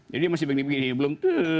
jadi dia masih begini begini belum